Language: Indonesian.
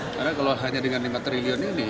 karena kalau hanya dengan lima triliun ini